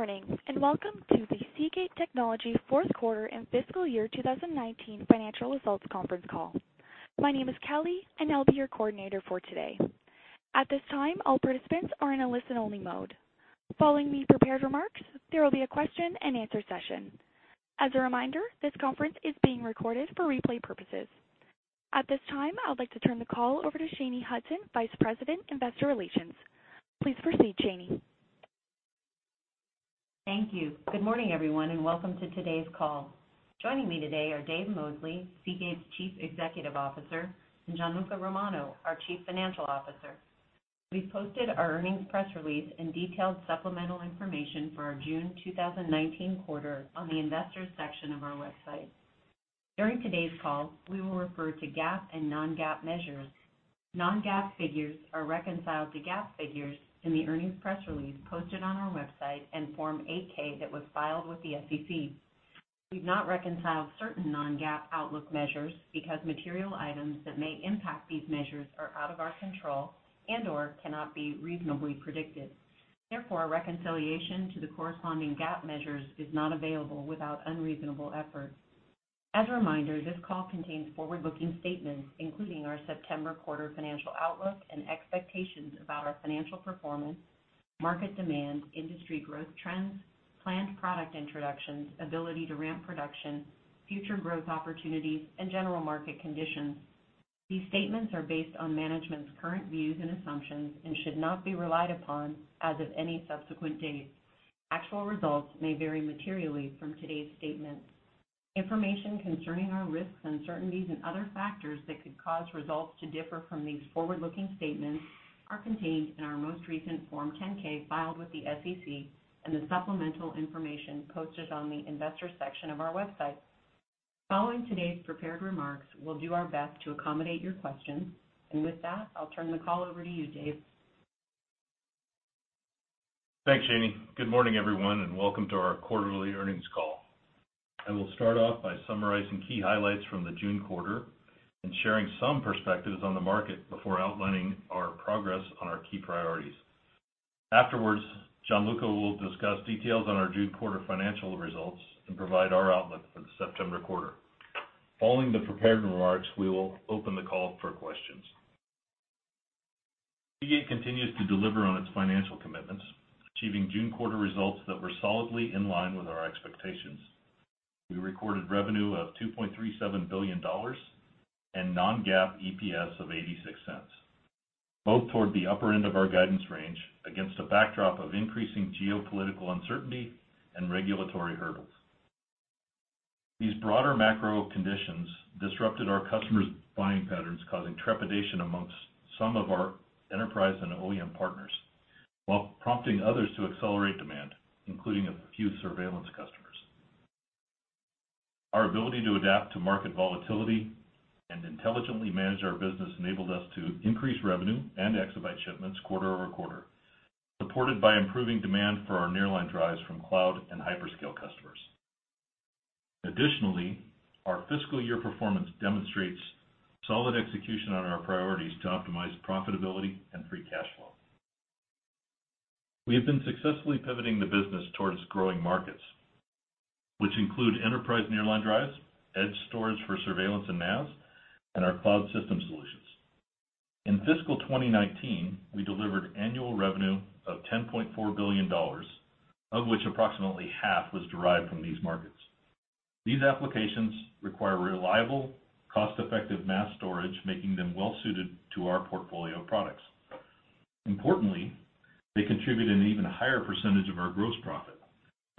Good morning, and welcome to the Seagate Technology fourth quarter and fiscal year 2019 financial results conference call. My name is Kelly and I'll be your coordinator for today. At this time, all participants are in a listen-only mode. Following the prepared remarks, there will be a question and answer session. As a reminder, this conference is being recorded for replay purposes. At this time, I would like to turn the call over to Shanye Hudson, Vice President, Investor Relations. Please proceed, Shanye. Thank you. Good morning, everyone, and welcome to today's call. Joining me today are Dave Mosley, Seagate's Chief Executive Officer, and Gianluca Romano, our Chief Financial Officer. We've posted our earnings press release and detailed supplemental information for our June 2019 quarter on the investors section of our website. During today's call, we will refer to GAAP and non-GAAP measures. Non-GAAP figures are reconciled to GAAP figures in the earnings press release posted on our website and Form 8-K that was filed with the SEC. We've not reconciled certain non-GAAP outlook measures because material items that may impact these measures are out of our control and/or cannot be reasonably predicted. Therefore, a reconciliation to the corresponding GAAP measures is not available without unreasonable effort. As a reminder, this call contains forward-looking statements, including our September quarter financial outlook and expectations about our financial performance, market demand, industry growth trends, planned product introductions, ability to ramp production, future growth opportunities, and general market conditions. These statements are based on management's current views and assumptions and should not be relied upon as of any subsequent date. Actual results may vary materially from today's statements. Information concerning our risks, uncertainties, and other factors that could cause results to differ from these forward-looking statements are contained in our most recent Form 10-K filed with the SEC and the supplemental information posted on the investor section of our website. Following today's prepared remarks, we'll do our best to accommodate your questions. With that, I'll turn the call over to you, Dave. Thanks, Shanye. Good morning, everyone, and welcome to our quarterly earnings call. I will start off by summarizing key highlights from the June quarter and sharing some perspectives on the market before outlining our progress on our key priorities. Afterwards, Gianluca will discuss details on our June quarter financial results and provide our outlook for the September quarter. Following the prepared remarks, we will open the call for questions. Seagate continues to deliver on its financial commitments, achieving June quarter results that were solidly in line with our expectations. We recorded revenue of $2.37 billion and non-GAAP EPS of $0.86, both toward the upper end of our guidance range, against a backdrop of increasing geopolitical uncertainty and regulatory hurdles. These broader macro conditions disrupted our customers' buying patterns, causing trepidation amongst some of our enterprise and OEM partners, while prompting others to accelerate demand, including a few surveillance customers. Our ability to adapt to market volatility and intelligently manage our business enabled us to increase revenue and exabyte shipments quarter-over-quarter, supported by improving demand for our nearline drives from cloud and hyperscale customers. Additionally, our fiscal year performance demonstrates solid execution on our priorities to optimize profitability and free cash flow. We have been successfully pivoting the business towards growing markets, which include enterprise nearline drives, edge storage for surveillance and NAS, and our cloud system solutions. In fiscal 2019, we delivered annual revenue of $10.4 billion, of which approximately half was derived from these markets. These applications require reliable, cost-effective mass storage, making them well-suited to our portfolio of products. Importantly, they contribute an even higher percentage of our gross profit,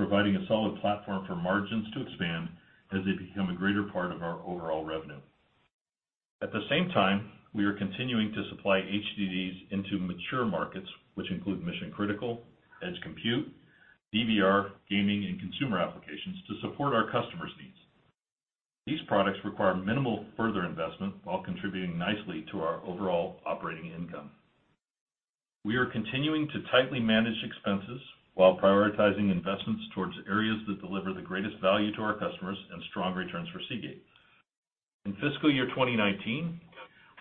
providing a solid platform for margins to expand as they become a greater part of our overall revenue. At the same time, we are continuing to supply HDDs into mature markets, which include mission-critical, edge compute, DVR, gaming, and consumer applications to support our customers' needs. These products require minimal further investment while contributing nicely to our overall operating income. We are continuing to tightly manage expenses while prioritizing investments towards areas that deliver the greatest value to our customers and strong returns for Seagate. In fiscal year 2019,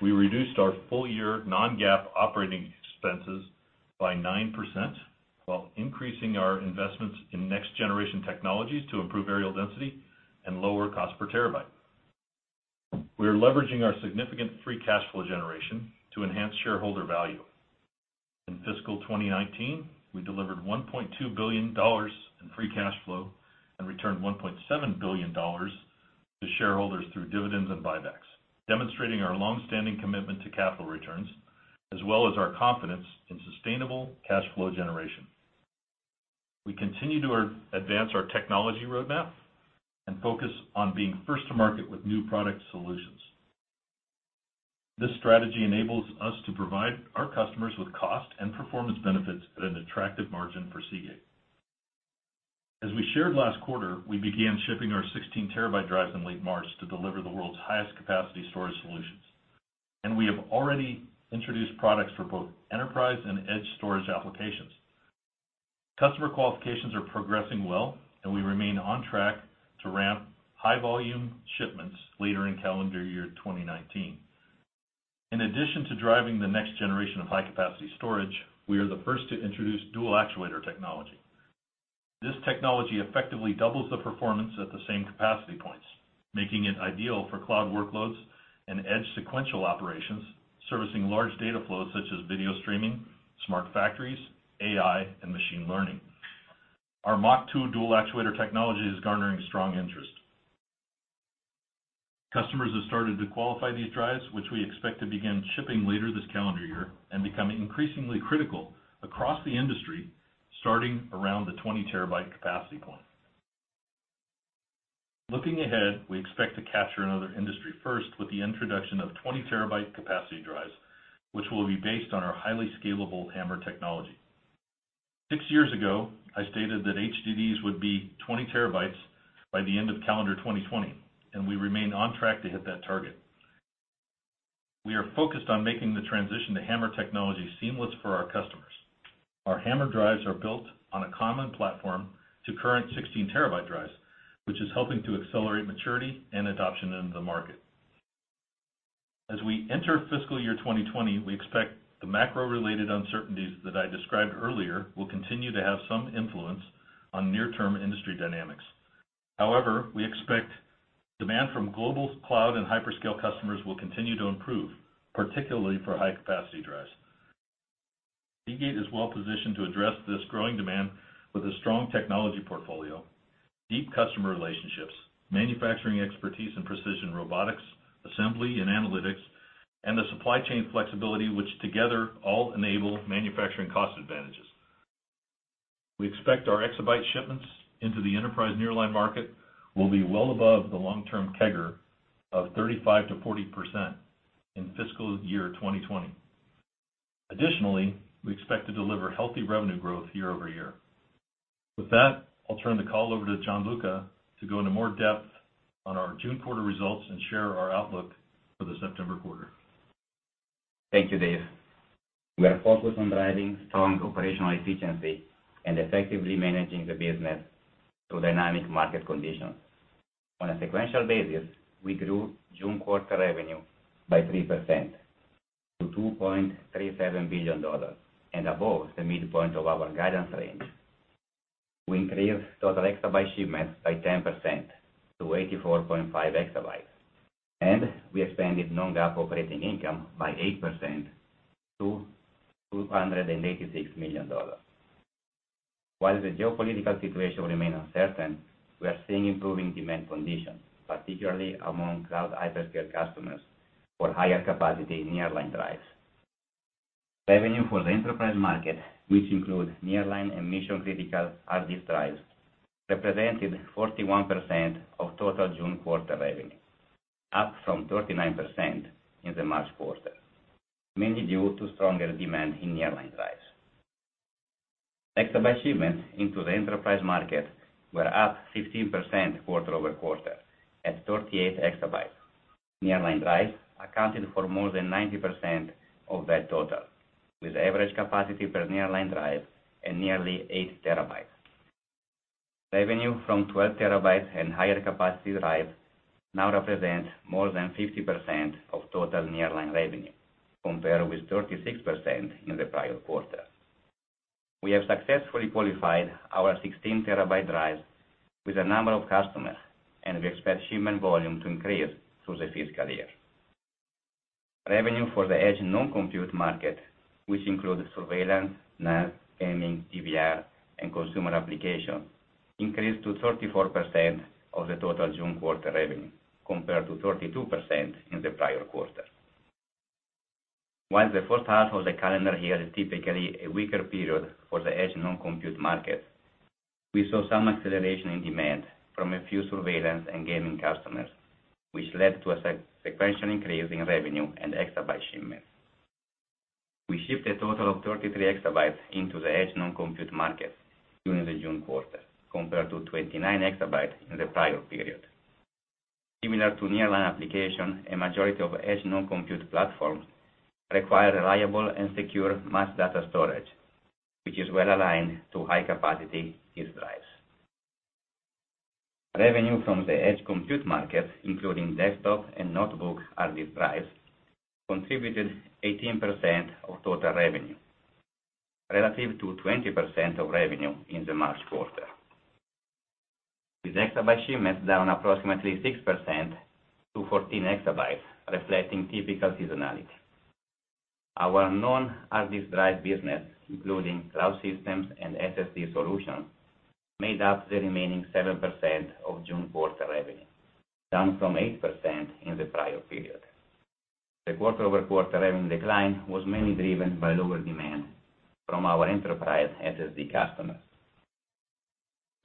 we reduced our full-year non-GAAP operating expenses by 9%, while increasing our investments in next-generation technologies to improve areal density and lower cost per terabyte. We are leveraging our significant free cash flow generation to enhance shareholder value. In fiscal 2019, we delivered $1.2 billion in free cash flow and returned $1.7 billion to shareholders through dividends and buybacks, demonstrating our longstanding commitment to capital returns, as well as our confidence in sustainable cash flow generation. We continue to advance our technology roadmap and focus on being first to market with new product solutions. This strategy enables us to provide our customers with cost and performance benefits at an attractive margin for Seagate. As we shared last quarter, we began shipping our 16-terabyte drives in late March to deliver the world's highest capacity storage solutions, and we have already introduced products for both enterprise and edge storage applications. Customer qualifications are progressing well, and we remain on track to ramp high volume shipments later in calendar year 2019. In addition to driving the next generation of high-capacity storage, we are the first to introduce dual actuator technology. This technology effectively doubles the performance at the same capacity points, making it ideal for cloud workloads and edge sequential operations, servicing large data flows such as video streaming, smart factories, AI, and machine learning. Our MACH.2 dual actuator technology is garnering strong interest. Customers have started to qualify these drives, which we expect to begin shipping later this calendar year and become increasingly critical across the industry, starting around the 20 terabyte capacity point. Looking ahead, we expect to capture another industry first with the introduction of 20 terabyte capacity drives, which will be based on our highly scalable HAMR technology. Six years ago, I stated that HDDs would be 20 terabytes by the end of calendar 2020, we remain on track to hit that target. We are focused on making the transition to HAMR technology seamless for our customers. Our HAMR drives are built on a common platform to current 16 terabyte drives, which is helping to accelerate maturity and adoption in the market. As we enter fiscal year 2020, we expect the macro-related uncertainties that I described earlier will continue to have some influence on near-term industry dynamics. We expect demand from global cloud and hyperscale customers will continue to improve, particularly for high-capacity drives. Seagate is well-positioned to address this growing demand with a strong technology portfolio, deep customer relationships, manufacturing expertise in precision robotics, assembly, and analytics, and the supply chain flexibility, which together all enable manufacturing cost advantages. We expect our exabyte shipments into the enterprise nearline market will be well above the long-term CAGR of 35%-40% in fiscal year 2020. We expect to deliver healthy revenue growth year-over-year. With that, I'll turn the call over to Gianluca to go into more depth on our June quarter results and share our outlook for the September quarter. Thank you, Dave. We are focused on driving strong operational efficiency and effectively managing the business through dynamic market conditions. On a sequential basis, we grew June quarter revenue by 3% to $2.37 billion and above the midpoint of our guidance range. We increased total exabyte shipments by 10% to 84.5 exabytes, and we expanded non-GAAP operating income by 8% to $286 million. While the geopolitical situation remains uncertain, we are seeing improving demand conditions, particularly among cloud hyperscale customers for higher capacity nearline drives. Revenue for the enterprise market, which includes nearline and mission-critical HDD drives, represented 41% of total June quarter revenue, up from 39% in the March quarter, mainly due to stronger demand in nearline drives. Exabyte shipments into the enterprise market were up 15% quarter-over-quarter at 38 exabytes. Nearline drives accounted for more than 90% of that total, with average capacity per nearline drive at nearly eight terabytes. Revenue from 12 terabyte and higher capacity drives now represents more than 50% of total nearline revenue, compared with 36% in the prior quarter. We have successfully qualified our 16 terabyte drives with a number of customers, and we expect shipment volume to increase through the fiscal year. Revenue for the edge non-compute market, which includes surveillance, NAS, gaming, DVR, and consumer applications, increased to 34% of the total June quarter revenue, compared to 32% in the prior quarter. While the first half of the calendar year is typically a weaker period for the edge non-compute market, we saw some acceleration in demand from a few surveillance and gaming customers, which led to a sequential increase in revenue and exabyte shipments. We shipped a total of 33 exabytes into the edge non-compute market during the June quarter, compared to 29 exabytes in the prior period. Similar to nearline application, a majority of edge non-compute platforms require reliable and secure mass data storage, which is well-aligned to high-capacity disk drives. Revenue from the edge compute market, including desktop and notebook HDD drives, contributed 18% of total revenue relative to 20% of revenue in the March quarter, with exabyte shipments down approximately 6% to 14 exabytes, reflecting typical seasonality. Our non-HDD drive business, including cloud systems and SSD solutions, made up the remaining 7% of June quarter revenue, down from 8% in the prior period. The quarter-over-quarter revenue decline was mainly driven by lower demand from our enterprise SSD customers.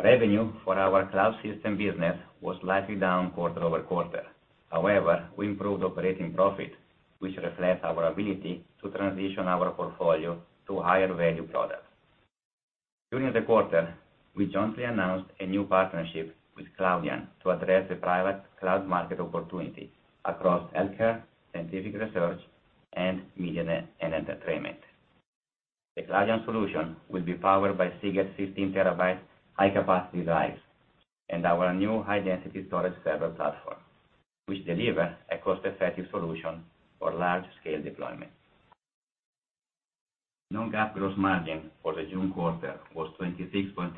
Revenue for our cloud system business was slightly down quarter-over-quarter. However, we improved operating profit, which reflects our ability to transition our portfolio to higher-value products. During the quarter, we jointly announced a new partnership with Cloudian to address the private cloud market opportunity across healthcare, scientific research, and media and entertainment. The Exos CORVAULT solution will be powered by Seagate 15 terabyte high-capacity drives and our new high-density storage server platform, which delivers a cost-effective solution for large-scale deployment. Non-GAAP gross margin for the June quarter was 26.8%,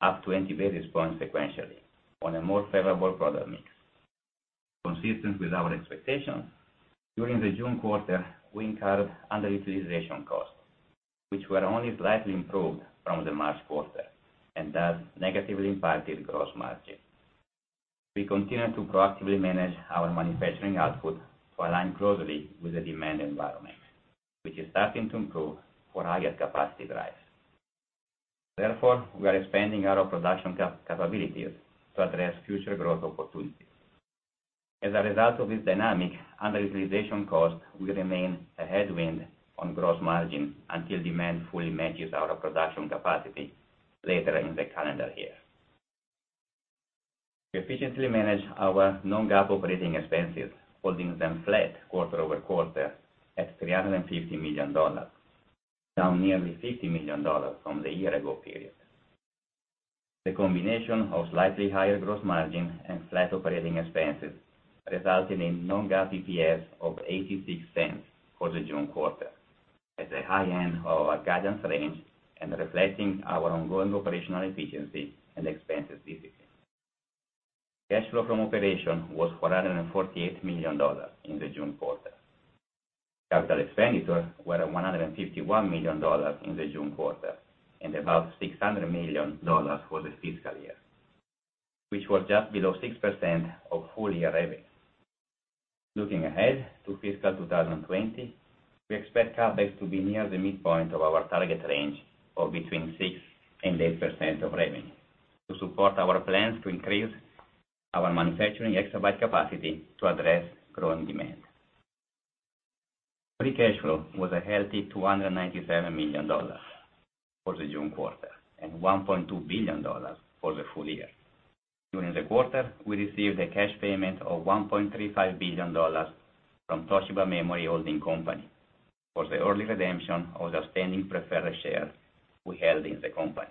up 20 basis points sequentially on a more favorable product mix. Consistent with our expectations, during the June quarter, we incurred underutilization costs, which were only slightly improved from the March quarter and thus negatively impacted gross margin. We continue to proactively manage our manufacturing output to align closely with the demand environment, which is starting to improve for higher capacity drives. Therefore, we are expanding our production capabilities to address future growth opportunities. As a result of this dynamic, underutilization cost will remain a headwind on gross margin until demand fully matches our production capacity later in the calendar year. We efficiently managed our non-GAAP operating expenses, holding them flat quarter-over-quarter at $350 million, down nearly $50 million from the year-ago period. The combination of slightly higher gross margin and flat operating expenses resulted in non-GAAP EPS of $0.86 for the June quarter at the high end of our guidance range and reflecting our ongoing operational efficiency and expense discipline. Cash flow from operation was $448 million in the June quarter. Capital expenditures were $151 million in the June quarter and about $600 million for the fiscal year, which was just below 6% of full-year revenue. Looking ahead to fiscal 2020, we expect CapEx to be near the midpoint of our target range of between 6% and 8% of revenue to support our plans to increase our manufacturing exabyte capacity to address growing demand. Free cash flow was a healthy $297 million for the June quarter and $1.2 billion for the full year. During the quarter, we received a cash payment of $1.35 billion from Toshiba Memory Holdings Corporation for the early redemption of the outstanding preferred shares we held in the company.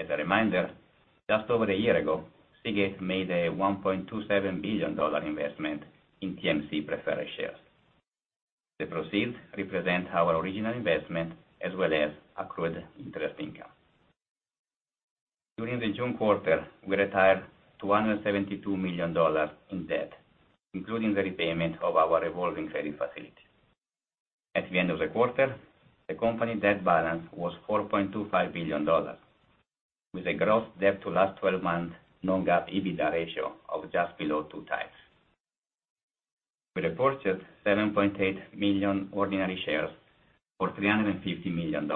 As a reminder, just over a year ago, Seagate made a $1.27 billion investment in TMC preferred shares. The proceeds represent our original investment as well as accrued interest income. During the June quarter, we retired $272 million in debt, including the repayment of our revolving credit facility. At the end of the quarter, the company debt balance was $4.25 billion, with a gross debt to last 12-month non-GAAP EBITDA ratio of just below two times. We repurchased 7.8 million ordinary shares for $350 million,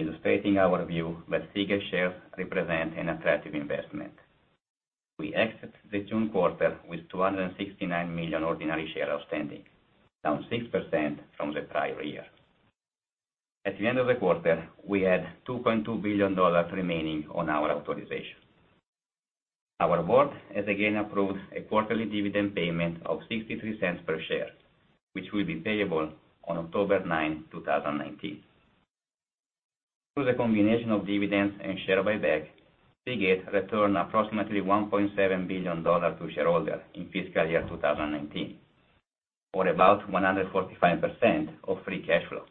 illustrating our view that Seagate shares represent an attractive investment. We exit the June quarter with 269 million ordinary shares outstanding, down 6% from the prior year. At the end of the quarter, we had $2.2 billion remaining on our authorization. Our board has again approved a quarterly dividend payment of $0.63 per share, which will be payable on October 9, 2019. Through the combination of dividends and share buyback, Seagate returned approximately $1.7 billion to shareholders in fiscal year 2019, or about 145% of free cash flow,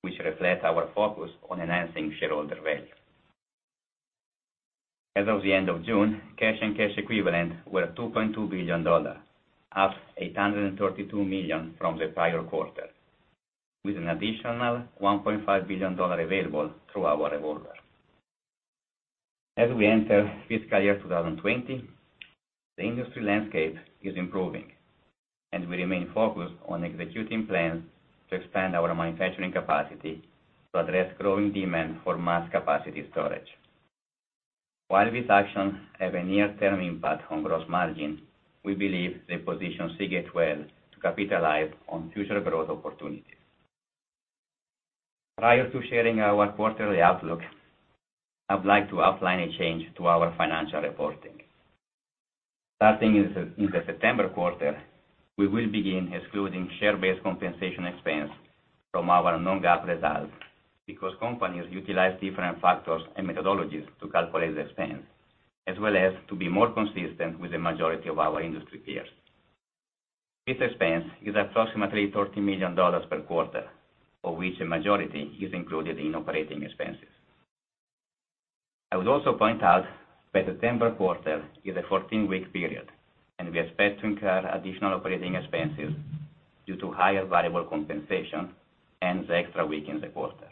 which reflects our focus on enhancing shareholder value. As of the end of June, cash and cash equivalents were $2.2 billion, up $832 million from the prior quarter, with an additional $1.5 billion available through our revolver. As we enter fiscal year 2020, the industry landscape is improving, and we remain focused on executing plans to expand our manufacturing capacity to address growing demand for mass capacity storage. While these actions have a near-term impact on gross margin, we believe they position Seagate well to capitalize on future growth opportunities. Prior to sharing our quarterly outlook, I'd like to outline a change to our financial reporting. Starting in the September quarter, we will begin excluding share-based compensation expense from our non-GAAP results because companies utilize different factors and methodologies to calculate the expense, as well as to be more consistent with the majority of our industry peers. This expense is approximately $30 million per quarter, of which a majority is included in operating expenses. I would also point out that the September quarter is a 14-week period, and we expect to incur additional operating expenses due to higher variable compensation and the extra week in the quarter.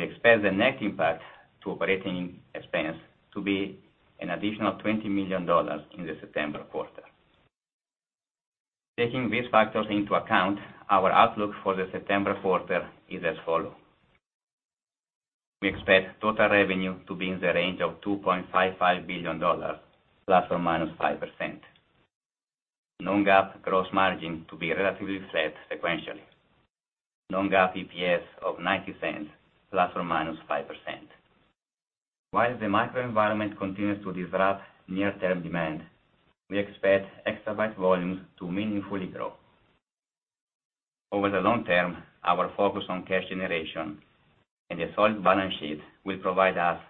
We expect the net impact to operating expense to be an additional $20 million in the September quarter. Taking these factors into account, our outlook for the September quarter is as follows. We expect total revenue to be in the range of $2.55 billion, ±5%. Non-GAAP gross margin to be relatively flat sequentially. Non-GAAP EPS of $0.90, ±5%. While the macro environment continues to disrupt near-term demand, we expect exabyte volumes to meaningfully grow. Over the long term, our focus on cash generation and a solid balance sheet will provide us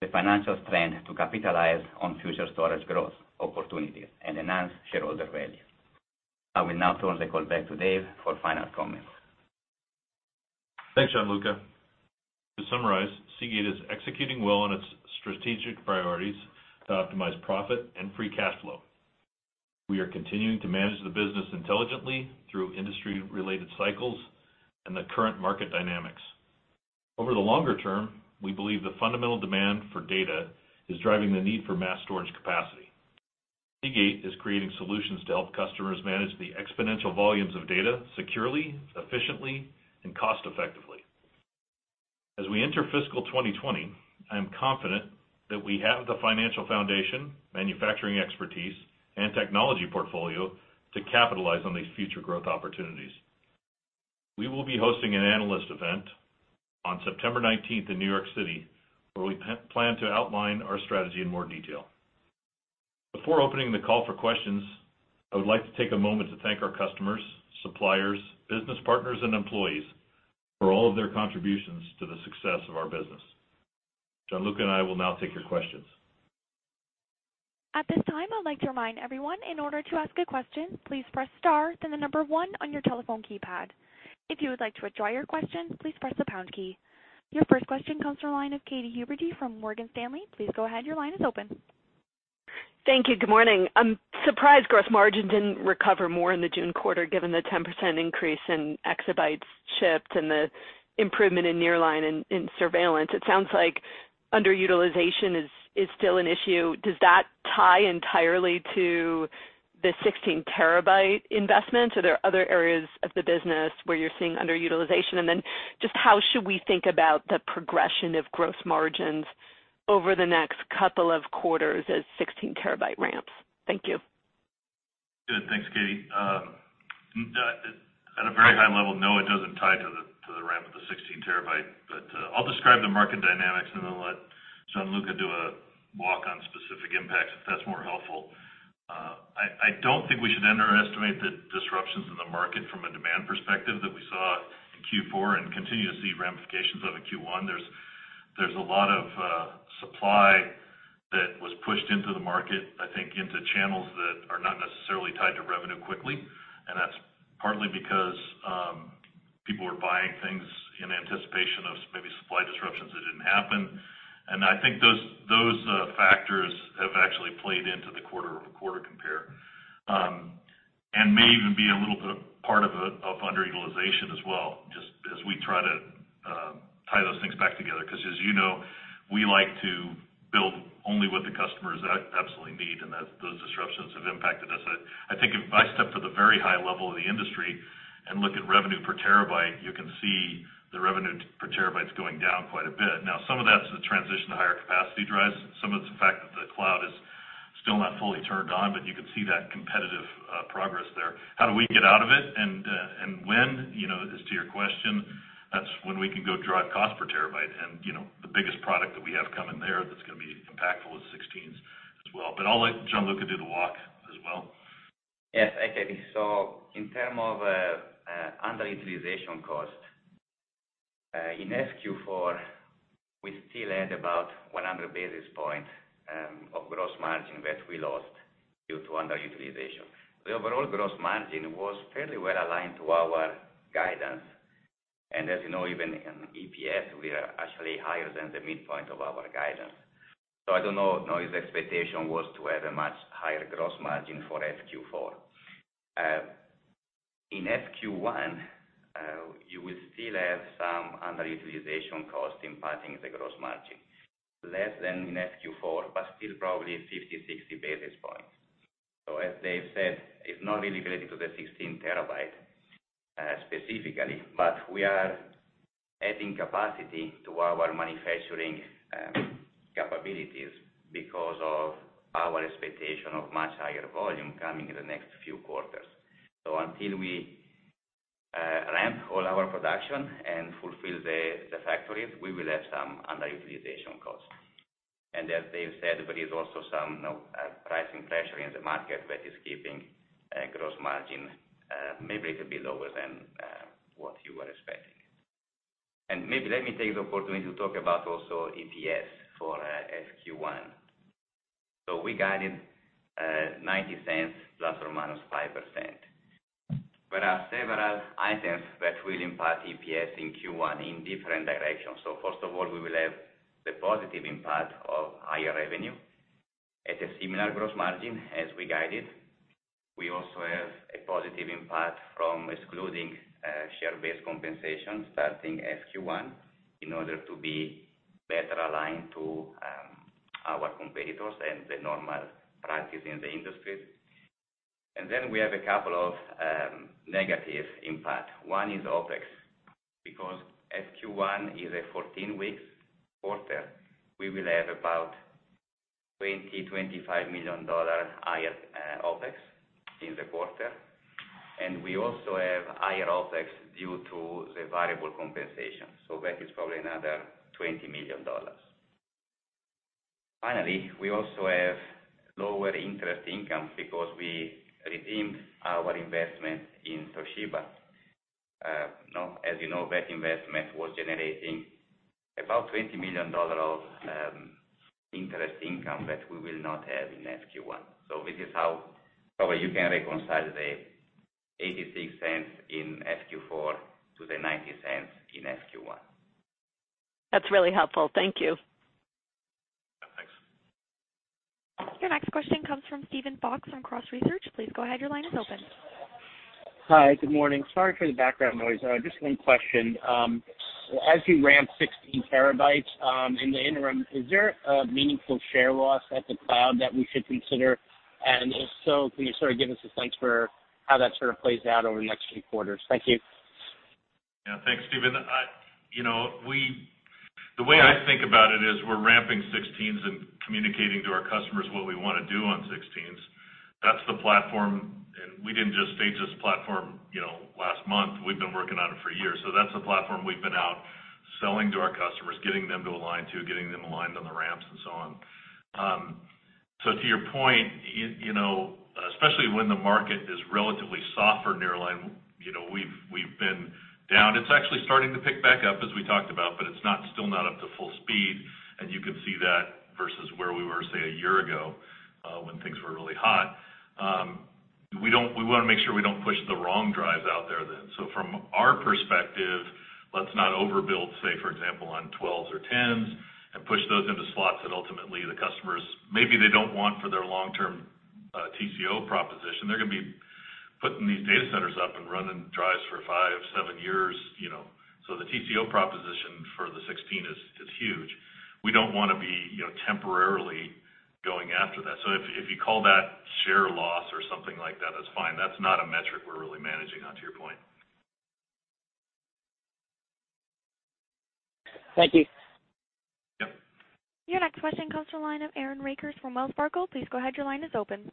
the financial strength to capitalize on future storage growth opportunities and enhance shareholder value. I will now turn the call back to Dave for final comments. Thanks, Gianluca. To summarize, Seagate is executing well on its strategic priorities to optimize profit and free cash flow. We are continuing to manage the business intelligently through industry-related cycles and the current market dynamics. Over the longer term, we believe the fundamental demand for data is driving the need for mass storage capacity. Seagate is creating solutions to help customers manage the exponential volumes of data securely, efficiently, and cost effectively. As we enter fiscal 2020, I am confident that we have the financial foundation, manufacturing expertise, and technology portfolio to capitalize on these future growth opportunities. We will be hosting an analyst event on September 19th in New York City, where we plan to outline our strategy in more detail. Before opening the call for questions, I would like to take a moment to thank our customers, suppliers, business partners, and employees for all of their contributions to the success of our business. Gianluca and I will now take your questions. At this time, I'd like to remind everyone, in order to ask a question, please press star, then the number 1 on your telephone keypad. If you would like to withdraw your question, please press the pound key. Your first question comes from the line of Katy Huberty from Morgan Stanley. Please go ahead. Your line is open. Thank you. Good morning. I'm surprised gross margin didn't recover more in the June quarter, given the 10% increase in exabytes shipped and the improvement in nearline and in surveillance. It sounds like underutilization is still an issue. Does that tie entirely to the 16 terabyte investment, or are there other areas of the business where you're seeing underutilization? Then just how should we think about the progression of gross margins over the next couple of quarters as 16 terabyte ramps? Thank you. Good. Thanks, Katy. At a very high level, no, it doesn't tie to the ramp of the 16 terabyte. I'll describe the market dynamics and then let Gianluca do a walk on specific impacts if that's more helpful. I don't think we should underestimate the disruptions in the market from a demand perspective that we saw in Q4 and continue to see ramifications of in Q1. There's a lot of supply that was pushed into the market, I think, into channels that are not necessarily tied to revenue quickly. That's partly because people were buying things in anticipation of maybe supply disruptions that didn't happen. I think those factors have actually played into the quarter-over-quarter compare, and may even be a little bit part of underutilization as well, just as we try to tie those things back together. As you know, we like to build only what the customers absolutely need, and those disruptions have impacted us. I think if I step to the very high level of the industry and look at revenue per terabyte, you can see the revenue per terabyte's going down quite a bit. Some of that's the transition to higher capacity drives. Some of it's the fact that the cloud is still not fully turned on, you can see that competitive progress there. How do we get out of it and when, as to your question, that's when we can go drive cost per terabyte. The biggest product that we have coming there that's going to be impactful is 16 as well. I'll let Gianluca do the walk as well. Yes. Okay. In terms of underutilization cost, in SQ4, we still had about 100 basis points of gross margin that we lost due to underutilization. The overall gross margin was fairly well aligned to our guidance, and as you know, even in EPS, we are actually higher than the midpoint of our guidance. I don't know if the expectation was to have a much higher gross margin for SQ4. In SQ1, you will still have some underutilization cost impacting the gross margin. Less than in SQ4, still probably 50, 60 basis points. As Dave said, it's not really related to the 16 terabyte specifically, but we are adding capacity to our manufacturing capabilities because of our expectation of much higher volume coming in the next few quarters. Until we ramp all our production and fulfill the factories, we will have some underutilization costs. As Dave said, there is also some pricing pressure in the market that is keeping gross margin maybe a bit lower than what you were expecting. Maybe let me take the opportunity to talk about also EPS for SQ1. We guided $0.90 ±5%. There are several items that will impact EPS in Q1 in different directions. First of all, we will have the positive impact of higher revenue at a similar gross margin as we guided. We also have a positive impact from excluding share-based compensation starting SQ1 in order to be better aligned to our competitors and the normal practice in the industry. Then we have a couple of negative impact. One is OpEx. Because SQ1 is a 14-week quarter, we will have about $20 million-$25 million higher OpEx in the quarter. We also have higher OpEx due to the variable compensation, so that is probably another $20 million. Finally, we also have lower interest income because we redeemed our investment in Toshiba. As you know, that investment was generating about $20 million of interest income that we will not have in FQ1. This is how probably you can reconcile the $0.86 in FQ4 to the $0.90 in FQ1. That's really helpful. Thank you. Yeah, thanks. Your next question comes from Steven Fox on Cross Research. Please go ahead, your line is open. Hi. Good morning. Sorry for the background noise. Just one question. As you ramp 16 terabytes in the interim, is there a meaningful share loss at the cloud that we should consider? If so, can you sort of give us a sense for how that sort of plays out over the next few quarters? Thank you. Thanks, Steven. The way I think about it is we're ramping 16s and communicating to our customers what we want to do on 16s. That's the platform. We didn't just stage this platform last month. We've been working on it for years. That's the platform we've been out selling to our customers, getting them to align to, getting them aligned on the ramps and so on. To your point, especially when the market is relatively soft for nearline, we've been down. It's actually starting to pick back up as we talked about, but it's still not up to full speed. You can see that versus where we were, say, a year ago, when things were really hot. We want to make sure we don't push the wrong drives out there then. From our perspective, let's not overbuild, say for example, on 12s or 10s and push those into slots that ultimately the customers maybe they don't want for their long-term TCO proposition. They're going to be putting these data centers up and running drives for five, seven years. The TCO proposition for the 16 is huge. We don't want to be temporarily going after that. If you call that share loss or something like that's fine. That's not a metric we're really managing on, to your point. Thank you. Yep. Your next question comes to the line of Aaron Rakers from Wells Fargo. Please go ahead, your line is open.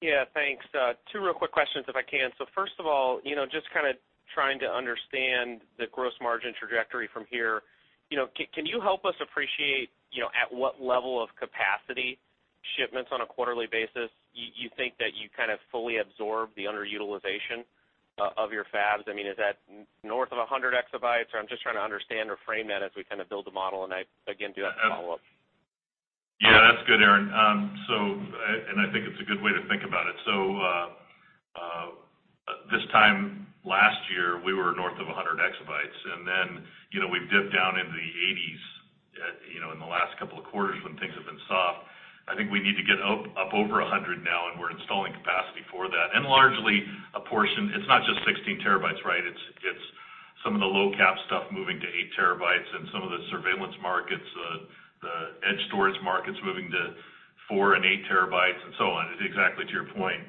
Yeah, thanks. Two real quick questions if I can. First of all, just kind of trying to understand the gross margin trajectory from here. Can you help us appreciate at what level of capacity shipments on a quarterly basis you think that you kind of fully absorb the underutilization of your fabs? I mean, is that north of 100 exabytes? I'm just trying to understand or frame that as we kind of build the model, and I, again, do have a follow-up. Yeah, that's good, Aaron. I think it's a good way to think about it. This time last year, we were north of 100 exabytes and then we've dipped down into the 80s in the last couple of quarters when things have been soft. I think we need to get up over 100 now and we're installing capacity for that. Largely a portion, it's not just 16 terabytes, right? It's some of the low cap stuff moving to eight terabytes and some of the surveillance markets, the edge storage markets moving to four and eight terabytes and so on. Exactly to your point.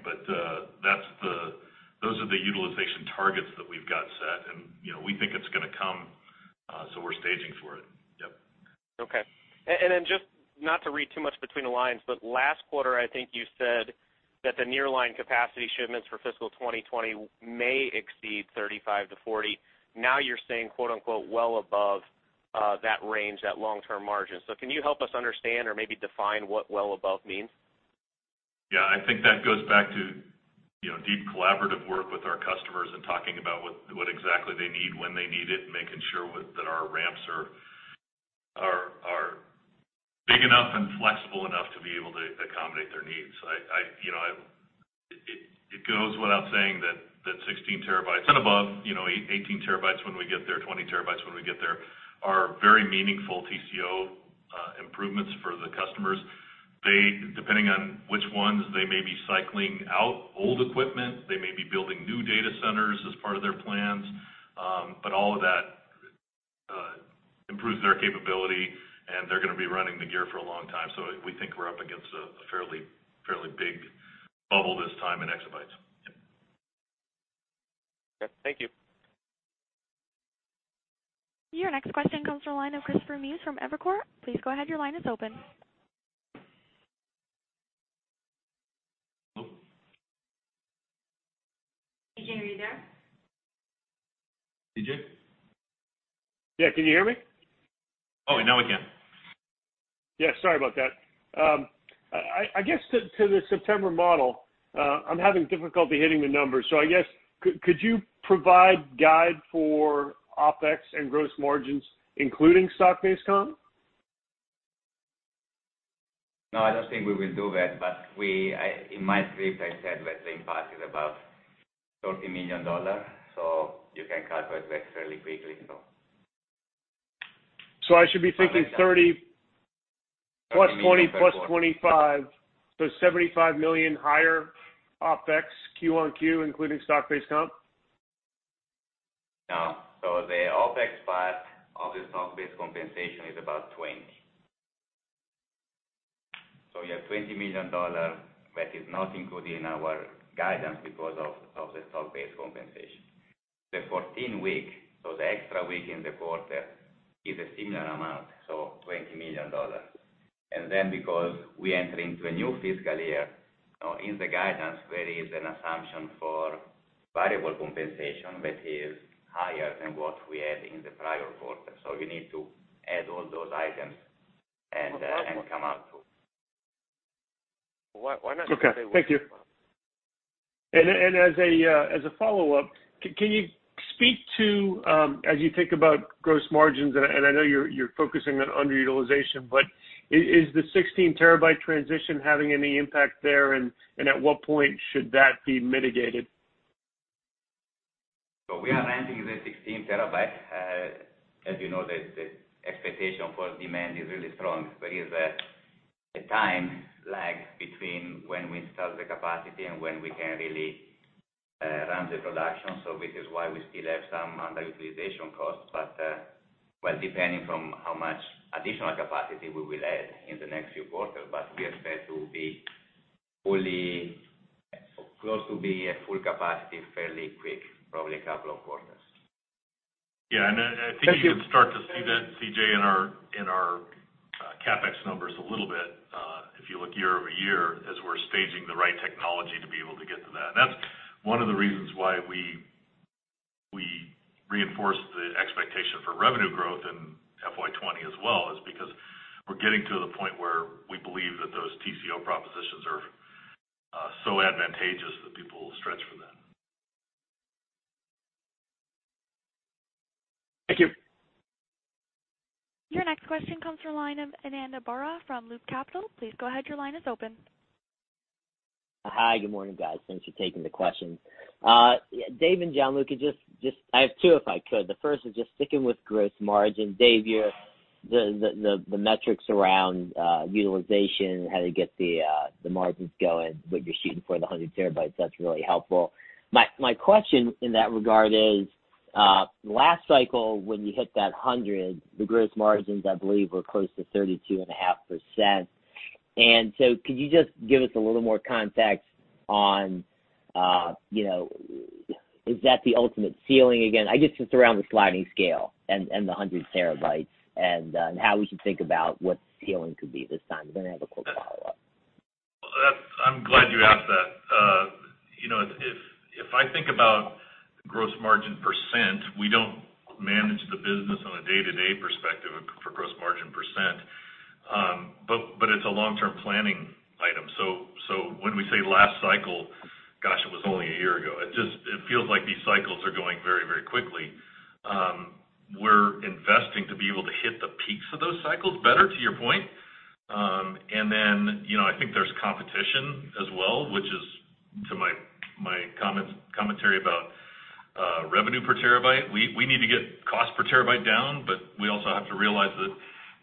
Those are the utilization targets that we've got set, and we think it's going to come, so we're staging for it. Yep. Okay. Just not to read too much between the lines, but last quarter, I think you said that the nearline capacity shipments for fiscal 2020 may exceed 35 to 40. Now you're saying, quote unquote, "well above" that range, that long-term margin. Can you help us understand or maybe define what well above means? Yeah, I think that goes back to deep collaborative work with our customers and talking about what exactly they need, when they need it, and making sure that our ramps are big enough and flexible enough to be able to accommodate their needs. It goes without saying that 16 terabytes and above, 18 terabytes when we get there, 20 terabytes when we get there, are very meaningful TCO improvements for the customers. Depending on which ones, they may be cycling out old equipment, they may be building new data centers as part of their plans. All of that improves their capability and they're going to be running the gear for a long time. We think we're up against a fairly big bubble this time in exabytes. Yeah. Okay. Thank you. Your next question comes from the line of Christopher Muse from Evercore. Please go ahead, your line is open. Hello? C.J., are you there? CJ? Yeah. Can you hear me? Oh, now we can. Sorry about that. I guess to the September model, I'm having difficulty hitting the numbers. I guess, could you provide guide for OpEx and gross margins, including stock-based comp? No, I don't think we will do that, but in my script I said that the impact is about $30 million, so you can calculate that fairly quickly. I should be thinking 30 plus 20 plus 25, so $75 million higher OpEx Q on Q, including stock-based comp? No. The OpEx part of the stock-based compensation is about $20. You have $20 million that is not included in our guidance because of the stock-based compensation. The 14 week, so the extra week in the quarter, is a similar amount, so $20 million. Because we enter into a new fiscal year, in the guidance, there is an assumption for variable compensation that is higher than what we had in the prior quarter. You need to add all those items. Okay, thank you. As a follow-up, can you speak to, as you think about gross margins, and I know you're focusing on underutilization, but is the 16 terabyte transition having any impact there? At what point should that be mitigated? We are ending the 16 TB. As you know, the expectation for demand is really strong, but is a time lag between when we start the capacity and when we can really run the production. Which is why we still have some underutilization costs. Well, depending from how much additional capacity we will add in the next few quarters, but we expect to be close to being at full capacity, fairly quick, probably a couple of quarters. Yeah. I think you can start to see that, C.J., in our CapEx numbers a little bit, if you look year-over-year, as we're staging the right technology to be able to get to that. That's one of the reasons why we reinforced the expectation for revenue growth in FY 2020 as well, is because we're getting to the point where we believe that those TCO propositions are so advantageous that people will stretch for them. Thank you. Your next question comes from the line of Ananda Baruah from Loop Capital. Please go ahead, your line is open. Hi, good morning, guys. Thanks for taking the questions. Dave and Gianluca, I have two, if I could. First is just sticking with gross margin. Dave, the metrics around utilization, how to get the margins going, what you're shooting for, the 100 terabytes, that's really helpful. My question in that regard is, last cycle, when you hit that 100, the gross margins, I believe, were close to 32.5%. Could you just give us a little more context on, is that the ultimate ceiling again? I guess just around the sliding scale and the 100 terabytes, and how we should think about what the ceiling could be this time. I have a quick follow-up. I'm glad you asked that. If I think about gross margin %, we don't manage the business on a day-to-day perspective for gross margin %. It's a long-term planning item. When we say last cycle, gosh, it was only a year ago. It feels like these cycles are going very, very quickly. We're investing to be able to hit the peaks of those cycles better, to your point. I think there's competition as well, which is to my commentary about revenue per terabyte. We need to get cost per terabyte down, but we also have to realize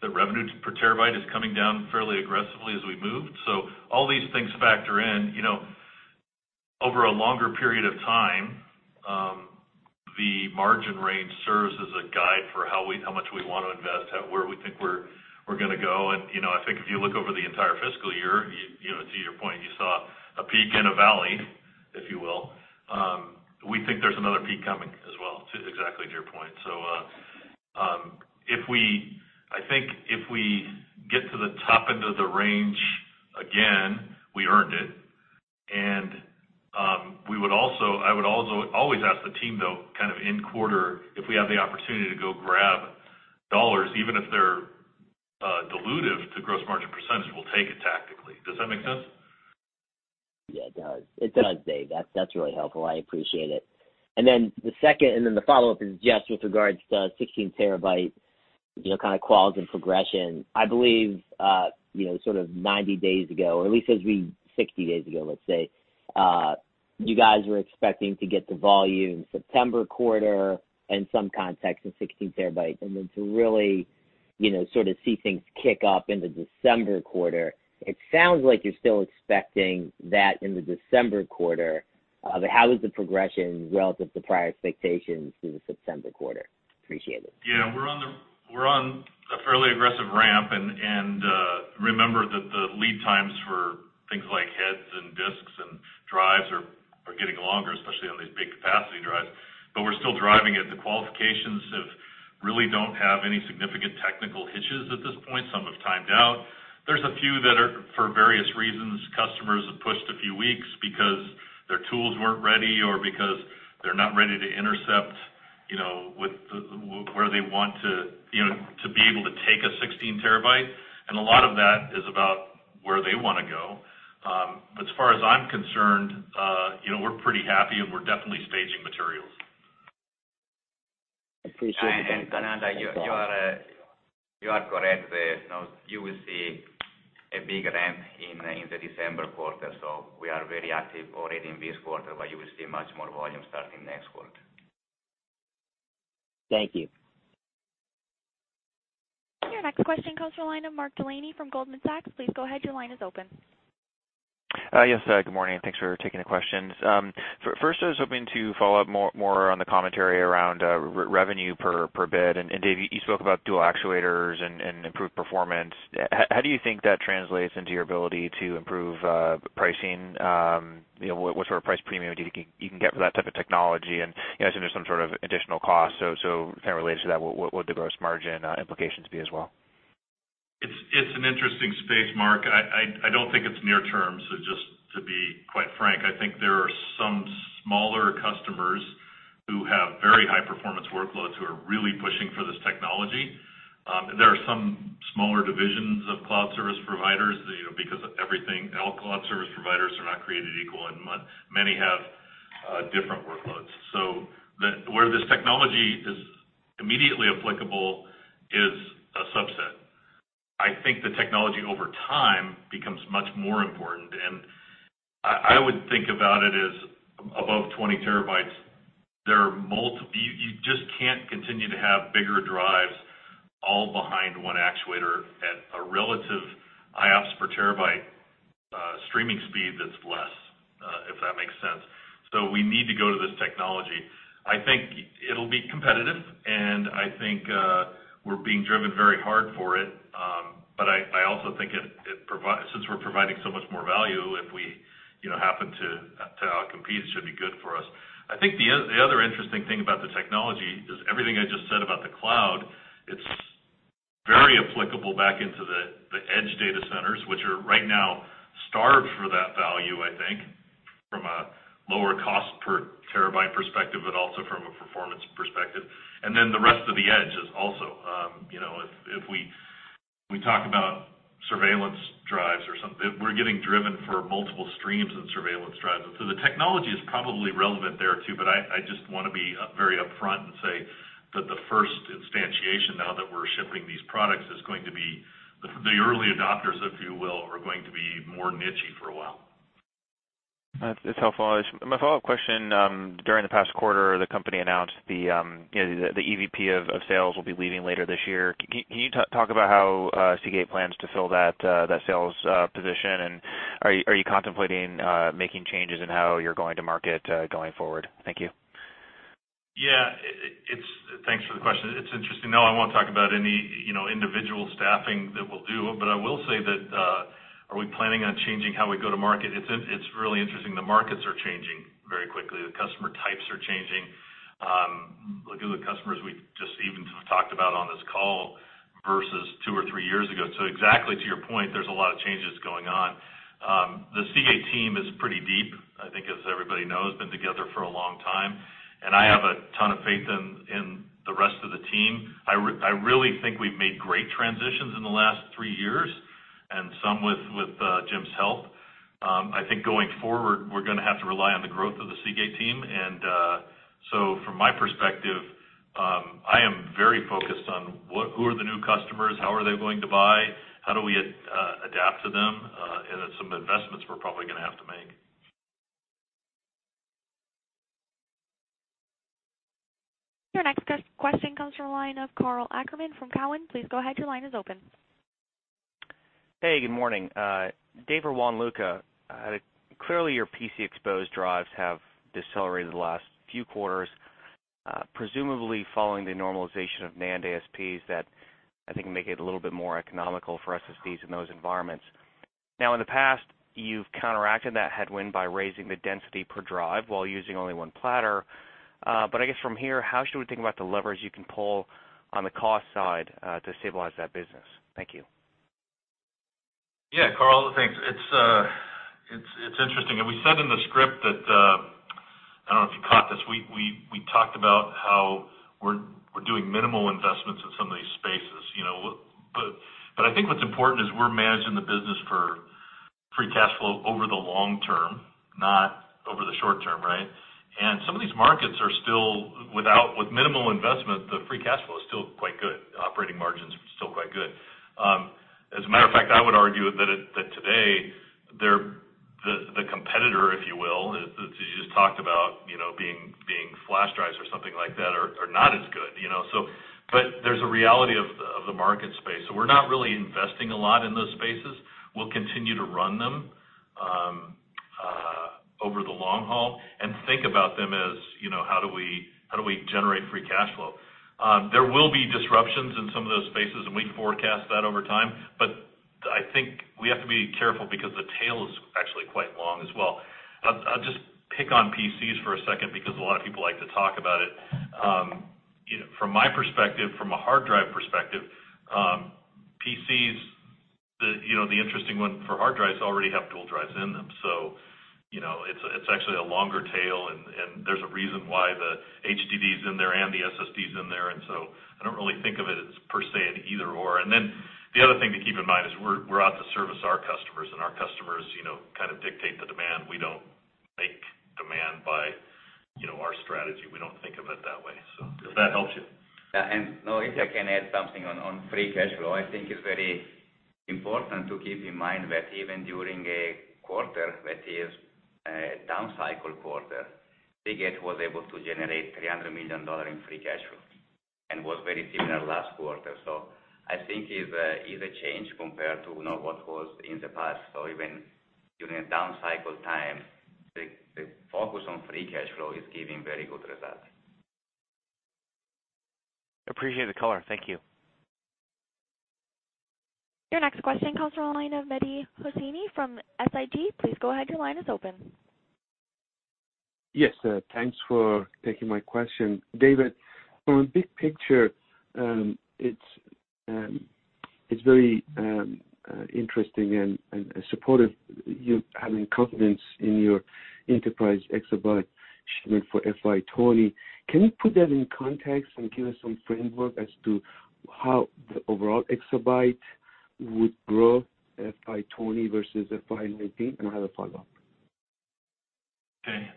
that revenue per terabyte is coming down fairly aggressively as we move. All these things factor in. Over a longer period of time, the margin range serves as a guide for how much we want to invest, where we think we're going to go. I think if you look over the entire fiscal year, to your point, you saw a peak and a valley, if you will. We think there's another peak coming as well, exactly to your point. I think if we get to the top end of the range again, we earned it. I would also always ask the team, though, kind of end quarter, if we have the opportunity to go grab dollars, even if they're dilutive to gross margin %, we'll take it tactically. Does that make sense? Yeah, it does. It does Dave. That's really helpful. I appreciate it. Then the follow-up is just with regards to 16 terabyte kind of quals and progression. I believe sort of 90 days ago, or at least 60 days ago, let's say, you guys were expecting to get the volume September quarter, in some context in 16 terabytes, and then to really sort of see things kick up in the December quarter. It sounds like you're still expecting that in the December quarter. How is the progression relative to prior expectations through the September quarter? Appreciate it. Yeah, we're on a fairly aggressive ramp. Remember that the lead times for things like heads and disks and drives are getting longer, especially on these big capacity drives. We're still driving it. The qualifications really don't have any significant technical hitches at this point. Some have timed out. There's a few that are, for various reasons, customers have pushed a few weeks because their tools weren't ready or because they're not ready to intercept where they want to be able to take a 16 terabyte. A lot of that is about where they want to go. As far as I'm concerned, we're pretty happy and we're definitely staging materials. Appreciate the feedback. Ananda, you are correct. You will see a big ramp in the December quarter. We are very active already in this quarter, but you will see much more volume starting next quarter. Thank you. Your next question comes from the line of Mark Delaney from Goldman Sachs. Please go ahead, your line is open. Yes, good morning. Thanks for taking the questions. First, I was hoping to follow up more on the commentary around revenue per bit. Dave, you spoke about dual actuators and improved performance. How do you think that translates into your ability to improve pricing? What sort of price premium do you think you can get for that type of technology? I assume there's some sort of additional cost, so kind of related to that, what would the gross margin implications be as well? It's an interesting space, Mark. I don't think it's near term. Just to be quite frank, I think there are some smaller customers who have very high-performance workloads who are really pushing for this technology. There are some smaller divisions of cloud service providers, because everything, all cloud service providers are not created equal, and many have different workloads. Where this technology is immediately applicable is a subset. I think the technology over time becomes much more important. I would think about it as above 20 terabytes. You just can't continue to have bigger drives all behind one actuator at a relative IOPS per terabyte streaming speed that's less, if that makes sense. We need to go to this technology. I think it'll be competitive, and I think we're being driven very hard for it. I also think since we're providing so much more value, if we happen to out-compete, it should be good for us. I think the other interesting thing about the technology is everything I just said about the cloud, it's very applicable back into the edge data centers, which are right now starved for that value, I think, from a lower cost per terabyte perspective, but also from a performance perspective. The rest of the edge is also. If we talk about surveillance drives or something, we're getting driven for multiple streams in surveillance drives. The technology is probably relevant there too, but I just want to be very upfront and say that the first instantiation now that we're shipping these products is going to be the early adopters, if you will, are going to be more niche-y for a while. That's helpful. My follow-up question, during the past quarter, the company announced the EVP of sales will be leaving later this year. Can you talk about how Seagate plans to fill that sales position, and are you contemplating making changes in how you're going to market going forward? Thank you. Yeah. Thanks for the question. It's interesting. No, I won't talk about any individual staffing that we'll do. I will say that are we planning on changing how we go to market? It's really interesting. The markets are changing very quickly. The customer types are changing. Look at the customers we just even talked about on this call versus two or three years ago. Exactly to your point, there's a lot of changes going on. The Seagate team is pretty deep, I think as everybody knows, been together for a long time, and I have a ton of faith in the rest of the team. I really think we've made great transitions in the last three years, and some with Jim's help. I think going forward, we're going to have to rely on the growth of the Seagate team. From my perspective, I am very focused on who are the new customers, how are they going to buy, how do we adapt to them, and then some investments we're probably going to have to make. Your next question comes from the line of Karl Ackerman from Cowen. Please go ahead, your line is open. Hey, good morning. Dave or Gianluca, clearly your PC exposed drives have decelerated the last few quarters, presumably following the normalization of NAND ASPs that I think make it a little bit more economical for SSDs in those environments. In the past, you've counteracted that headwind by raising the density per drive while using only one platter. I guess from here, how should we think about the levers you can pull on the cost side to stabilize that business? Thank you. Yeah, Karl. Thanks. It's interesting. We said in the script that, I don't know if you caught this, we talked about how we're doing minimal investments in some of these spaces. I think what's important is we're managing the business for free cash flow over the long term, not over the short term, right? Some of these markets are still, with minimal investment, the free cash flow is still quite good. Operating margin's still quite good. As a matter of fact, I would argue that today, the competitor, if you will, as you just talked about, being flash drives or something like that, are not as good. There's a reality of the market space. We're not really investing a lot in those spaces. We'll continue to run them over the long haul and think about them as how do we generate free cash flow? There will be disruptions in some of those spaces, and we forecast that over time, but I think we have to be careful because the tail is actually quite long as well. I'll just pick on PCs for a second because a lot of people like to talk about it. From my perspective, from a hard drive perspective, PCs, the interesting one for hard drives already have dual drives in them. It's actually a longer tail, and there's a reason why the HDD is in there and the SSDs in there. I don't really think of it as per se an either/or. The other thing to keep in mind is we're out to service our customers, and our customers kind of dictate the demand. We don't make demand by our strategy. We don't think of it that way. If that helps you. If I can add something on free cash flow. I think it's very important to keep in mind that even during a quarter that is a down cycle quarter, Seagate was able to generate $300 million in free cash flow, and was very similar last quarter. I think it's a change compared to what was in the past. Even during a down cycle time, the focus on free cash flow is giving very good results. Appreciate the color. Thank you. Your next question comes from the line of Mehdi Hosseini from SIG. Please go ahead, your line is open. Yes. Thanks for taking my question. Dave, from a big picture, it's very interesting and supportive, you having confidence in your enterprise exabyte shipment for FY 2020. Can you put that in context and give us some framework as to how the overall exabyte would grow FY 2020 versus FY 2019? I have a follow-up. Okay.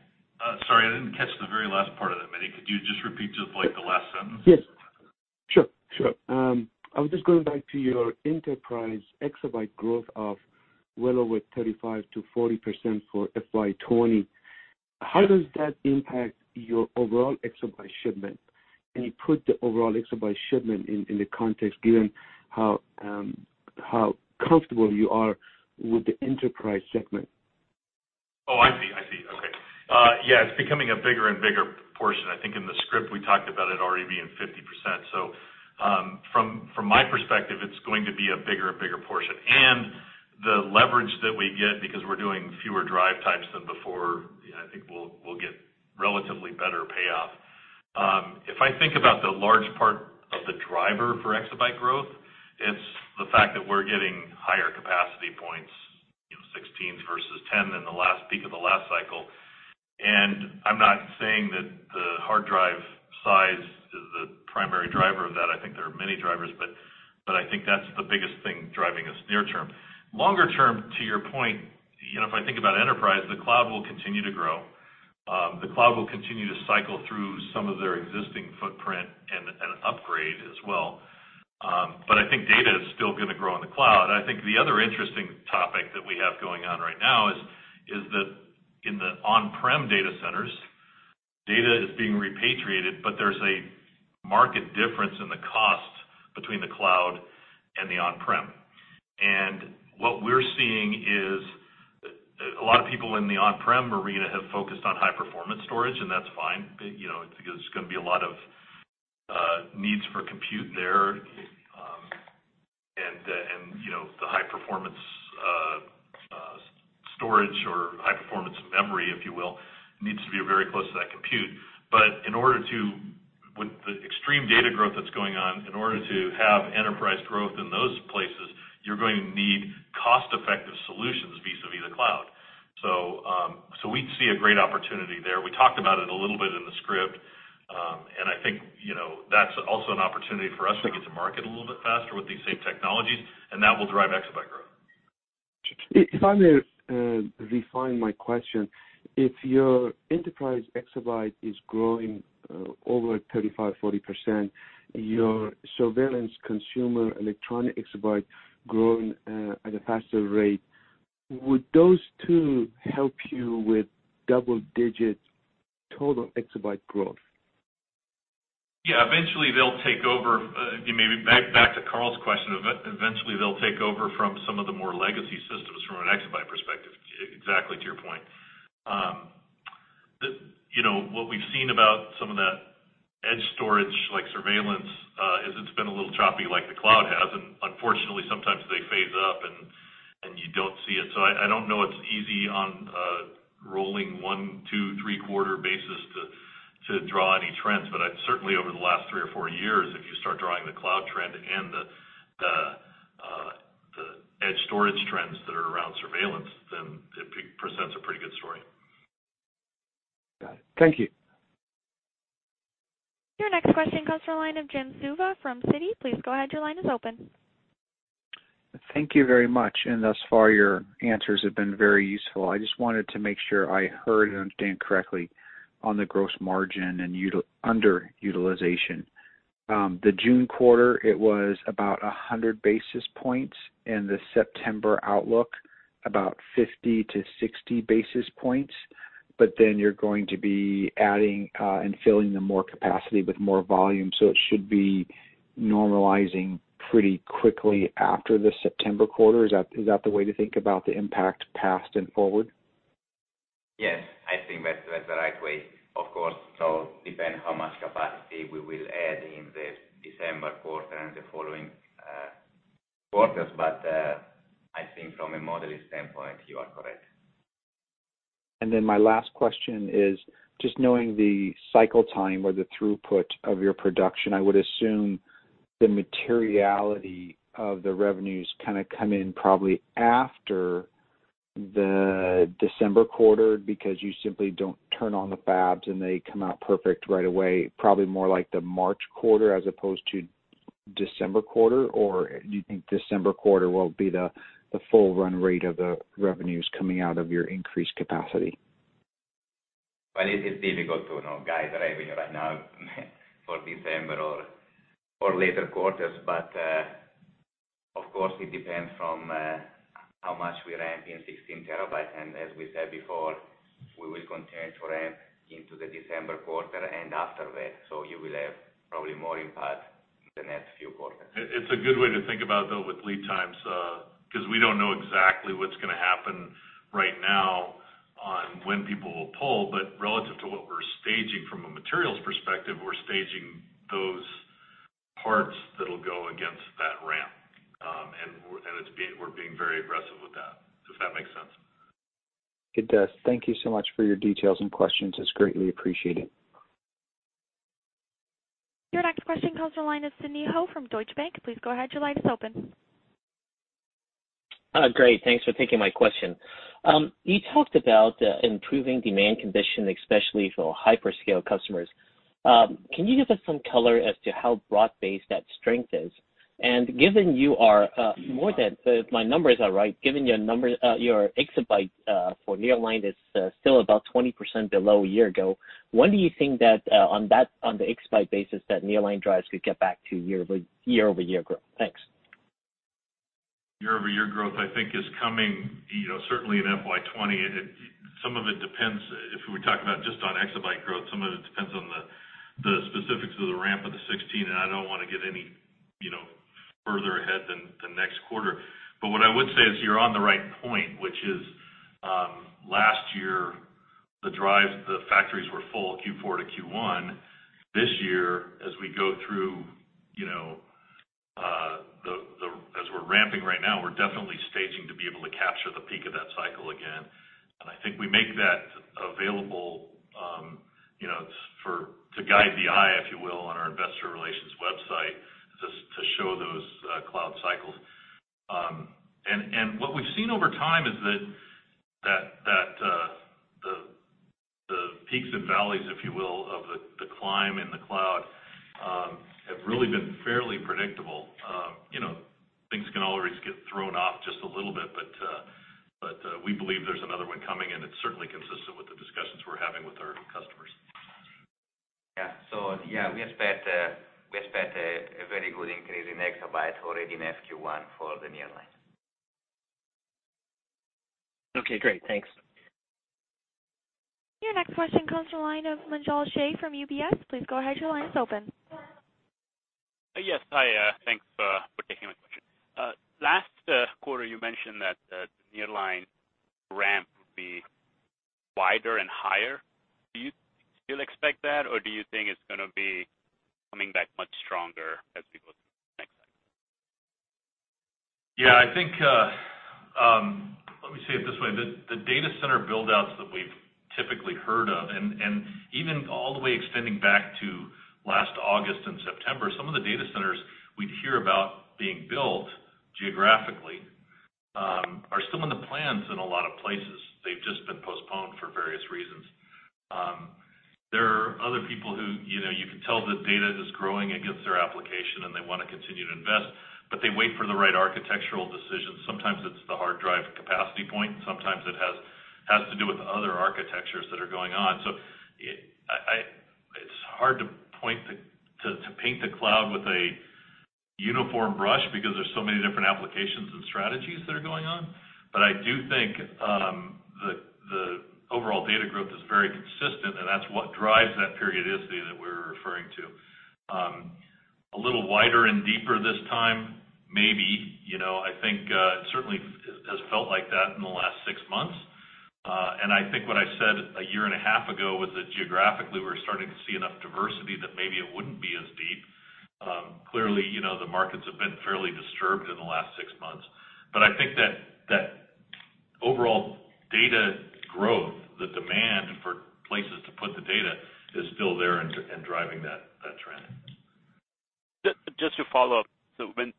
Sorry, I didn't catch the very last part of that, Mehdi. Could you just repeat just the last sentence? Yes. Sure. I was just going back to your enterprise exabyte growth of well over 35%-40% for FY 2020. How does that impact your overall exabyte shipment? Can you put the overall exabyte shipment in the context, given how comfortable you are with the enterprise segment? Oh, I see. Okay. It's becoming a bigger and bigger portion. I think in the script we talked about it already being 50%. From my perspective, it's going to be a bigger and bigger portion. The leverage that we get, because we're doing fewer drive types than before, I think we'll get relatively better payoff. If I think about the large part of the driver for exabyte growth, it's the fact that we're getting higher capacity points, 16 versus 10 in the last peak of the last cycle. I'm not saying that the hard drive size is the primary driver of that. I think there are many drivers, but I think that's the biggest thing driving us near term. Longer term, to your point, if I think about enterprise, the cloud will continue to grow. The cloud will continue to cycle through some of their existing footprint and upgrade as well. I think data is still going to grow in the cloud. I think the other interesting topic that we have going on right now is that in the on-prem data centers, data is being repatriated, but there's a marked difference in the cost between the cloud and the on-prem. What we're seeing is a lot of people in the on-prem arena have focused on high-performance storage, and that's fine. There's going to be a lot of needs for compute there. The high-performance storage or high-performance memory, if you will, needs to be very close to that compute. With the extreme data growth that's going on, in order to have enterprise growth in those places, you're going to need cost-effective solutions vis-a-vis the cloud. We see a great opportunity there. We talked about it a little bit in the script. I think that's also an opportunity for us to get to market a little bit faster with these same technologies, that will drive exabyte growth. If I may refine my question. If your enterprise exabyte is growing over 35%, 40%, your surveillance consumer electronic exabyte growing at a faster rate, would those two help you with double-digit total exabyte growth? Yeah. Maybe back to Karl's question, eventually they'll take over from some of the more legacy systems from an exabyte perspective, exactly to your point. What we've seen about some of that edge storage, like surveillance, is it's been a little choppy like the cloud has, and unfortunately, sometimes they phase up, and you don't see it. I don't know it's easy on a rolling one, two, three-quarter basis to draw any trends. Certainly over the last three or four years, if you start drawing the cloud trend and the edge storage trends that are around surveillance, then it presents a pretty good story. Got it. Thank you. Your next question comes from the line of Jim Suva from Citi. Please go ahead, your line is open. Thank you very much. Thus far, your answers have been very useful. I just wanted to make sure I heard and understand correctly on the gross margin and underutilization. The June quarter, it was about 100 basis points, and the September outlook about 50 to 60 basis points. You're going to be adding and filling the more capacity with more volume, so it should be normalizing pretty quickly after the September quarter. Is that the way to think about the impact past and forward? Yes, I think that's the right way. It all depends how much capacity we will add in the December quarter and the following quarters. I think from a modeling standpoint, you are correct. My last question is just knowing the cycle time or the throughput of your production, I would assume the materiality of the revenues kind of come in probably after the December quarter because you simply don't turn on the fabs and they come out perfect right away. Probably more like the March quarter as opposed to December quarter? Do you think December quarter will be the full run rate of the revenues coming out of your increased capacity? Well, it is difficult to guide revenue right now for December or later quarters. Of course, it depends from how much we ramp in 16 terabyte, and as we said before, we will continue to ramp into the December quarter and after that. You will have probably more impact in the next few quarters. It's a good way to think about, though, with lead times, because we don't know exactly what's going to happen right now on when people will pull. Relative to what we're staging from a materials perspective, we're staging those parts with that, if that makes sense. It does. Thank you so much for your details and questions. It's greatly appreciated. Your next question comes from the line of Sidney Ho from Deutsche Bank. Please go ahead, your line is open. Great. Thanks for taking my question. You talked about improving demand condition, especially for hyperscale customers. Can you give us some color as to how broad-based that strength is? Given your exabyte for Nearline is still about 20% below a year ago, when do you think that on the exabyte basis that Nearline drives could get back to year-over-year growth? Thanks. Year-over-year growth, I think is coming certainly in FY 2020. Some of it depends if we talk about just on exabyte growth, some of it depends on the specifics of the ramp of the 16, and I don't want to get any further ahead than next quarter. What I would say is you're on the right point, which is last year, the drives, the factories were full Q4 to Q1. This year, as we're ramping right now, we're definitely staging to be able to capture the peak of that cycle again. I think we make that available to guide the eye, if you will, on our investor relations website to show those cloud cycles. What we've seen over time is that the peaks and valleys, if you will, of the climb in the cloud, have really been fairly predictable. Things can always get thrown off just a little bit, but we believe there's another one coming, and it certainly consistent with the discussions we're having with our customers. Yeah. Yeah, we expect a very good increase in exabyte already in FQ1 for the Nearline. Okay, great. Thanks. Your next question comes from the line of Munjal Shah from UBS. Please go ahead. Your line is open. Yes. Hi. Thanks for taking my question. Last quarter you mentioned that the Nearline ramp would be wider and higher. Do you still expect that, or do you think it's going to be coming back much stronger as we go through next cycle? Yeah. Let me say it this way, the data center buildouts that we've typically heard of, and even all the way extending back to last August and September, some of the data centers we'd hear about being built geographically are still in the plans in a lot of places. They've just been postponed for various reasons. There are other people who you can tell that data is growing against their application, and they want to continue to invest, but they wait for the right architectural decisions. Sometimes it's the hard drive capacity point. Sometimes it has to do with other architectures that are going on. It's hard to paint the cloud with a uniform brush because there's so many different applications and strategies that are going on. I do think the overall data growth is very consistent, and that's what drives that periodicity that we're referring to. A little wider and deeper this time, maybe. I think it certainly has felt like that in the last six months. I think what I said a year and a half ago was that geographically, we were starting to see enough diversity that maybe it wouldn't be as deep. Clearly, the markets have been fairly disturbed in the last six months. I think that overall data growth, the demand for places to put the data is still there and driving that trend. Just to follow up.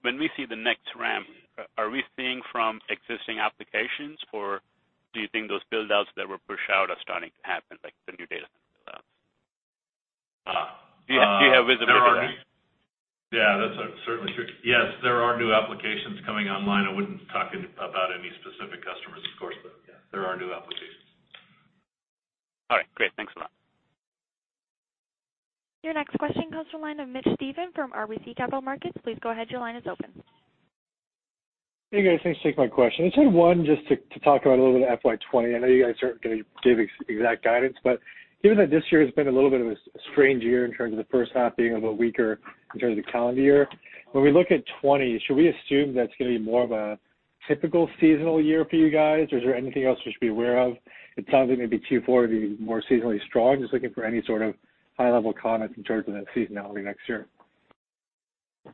When we see the next ramp, are we seeing from existing applications, or do you think those build outs that were pushed out are starting to happen, like the new data center build outs? Do you have visibility there? That's certainly true. There are new applications coming online. I wouldn't talk about any specific customers of course, but yeah, there are new applications. All right, great. Thanks a lot. Your next question comes from the line of Mitch Steves from RBC Capital Markets. Please go ahead. Your line is open. Hey, guys. Thanks for taking my question. I just had one just to talk about a little bit of FY 2020. I know you guys aren't going to give exact guidance, but given that this year has been a little bit of a strange year in terms of the first half being a little weaker in terms of calendar year, when we look at 2020, should we assume that it's going to be more of a typical seasonal year for you guys? Or is there anything else we should be aware of? It sounds like maybe Q4 would be more seasonally strong. Just looking for any sort of high level comment in terms of that seasonality next year.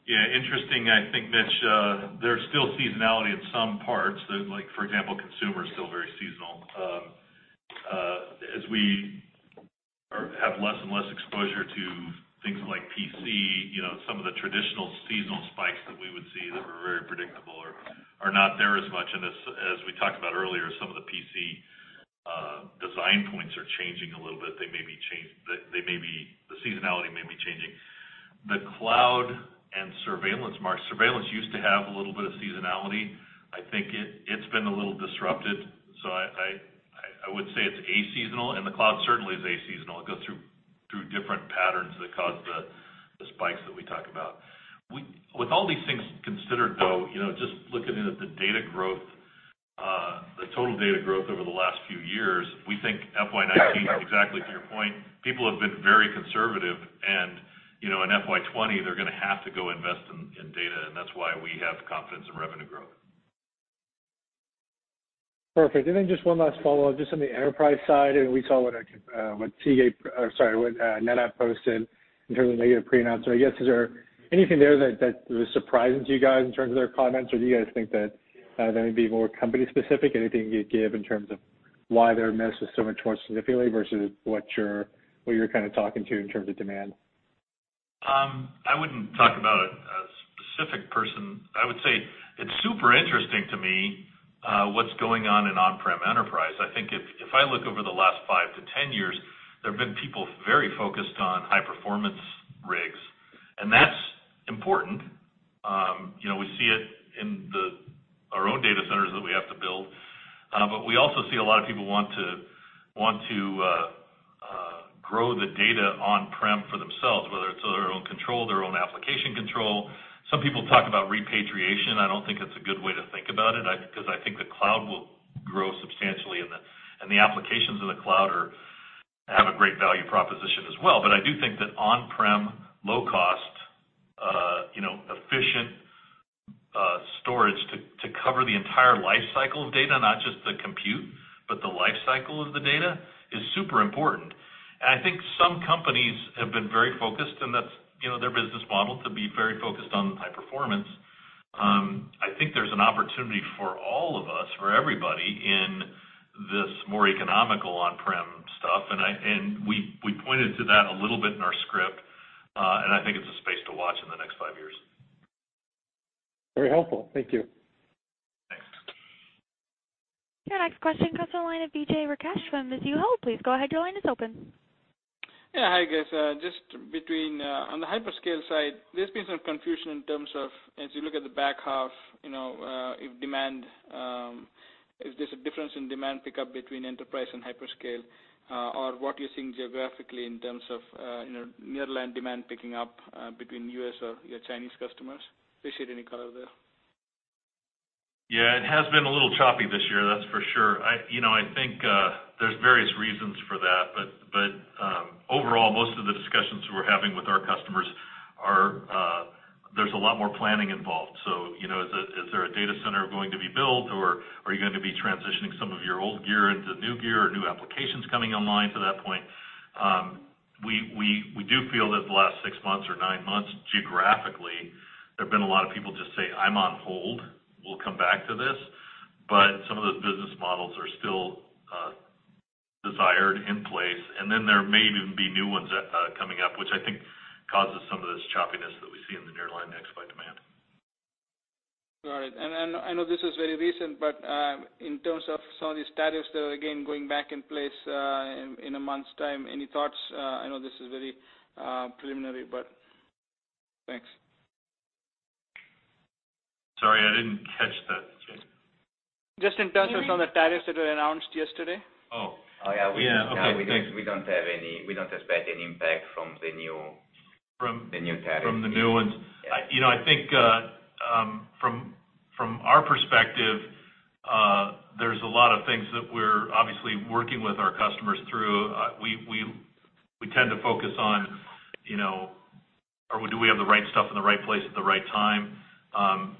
Yeah, interesting. I think, Mitch, there's still seasonality in some parts. Like for example, consumer is still very seasonal. As we have less and less exposure to things like PC, some of the traditional seasonal spikes that we would see that were very predictable are not there as much, and as we talked about earlier, some of the PC design points are changing a little bit. The seasonality may be changing. The cloud and surveillance markets. Surveillance used to have a little bit of seasonality. I think it's been a little disrupted. I would say it's aseasonal, and the cloud certainly is aseasonal. It goes through different patterns that cause the spikes that we talk about. With all these things considered, though, just looking at the total data growth over the last few years, we think FY 2019, exactly to your point, people have been very conservative and in FY 2020 they're going to have to go invest in data, and that's why we have confidence in revenue growth. Perfect. Just one last follow-up just on the enterprise side, and we saw what NetApp posted in terms of negative pre-announcement. I guess, is there anything there that was surprising to you guys in terms of their comments, or do you guys think that they may be more company specific? Anything you'd give in terms of why their miss was so much more significant versus what you're talking to in terms of demand? I wouldn't talk about a specific person. I would say it's super interesting to me what's going on in on-prem enterprise. I think if I look over the last five to 10 years, there have been people very focused on high-performance rigs. That's important. We see it in our own data centers that we have to build. We also see a lot of people want to grow the data on-prem for themselves, whether it's their own control, their own application control. Some people talk about repatriation. I don't think it's a good way to think about it, because I think the cloud will grow substantially. The applications of the cloud have a great value proposition as well. I do think that on-prem, low cost, efficient storage to cover the entire life cycle of data, not just the compute, but the life cycle of the data, is super important. I think some companies have been very focused, and that's their business model, to be very focused on high performance. I think there's an opportunity for all of us, for everybody, in this more economical on-prem stuff. We pointed to that a little bit in our script, and I think it's a space to watch in the next five years. Very helpful. Thank you. Thanks. Your next question comes on the line of Vijay Rakesh from Mizuho. Please go ahead. Your line is open. Hi, guys. Just between, on the hyperscale side, there's been some confusion in terms of, as you look at the back half, is there a difference in demand pickup between enterprise and hyperscale? What you're seeing geographically in terms of nearline demand picking up between U.S. or your Chinese customers? Do you see any color there? Yeah, it has been a little choppy this year, that's for sure. I think there's various reasons for that, but overall, most of the discussions we're having with our customers are, there's a lot more planning involved. Is there a data center going to be built, or are you going to be transitioning some of your old gear into new gear or new applications coming online to that point? We do feel that the last six months or nine months, geographically, there have been a lot of people just say, "I'm on hold. We'll come back to this." Some of those business models are still desired in place, and then there may even be new ones coming up, which I think causes some of this choppiness that we see in the nearline exabyte demand. All right. I know this is very recent, but in terms of some of these tariffs that are again going back in place in a month's time, any thoughts? I know this is very preliminary, but thanks. Sorry, I didn't catch that, Vijay. Just in terms of some of the tariffs that were announced yesterday. Oh. Oh, yeah. Yeah. Okay, thanks. We don't expect any impact from the new tariffs. From the new ones. Yeah. I think from our perspective, there's a lot of things that we're obviously working with our customers through. We tend to focus on, do we have the right stuff in the right place at the right time?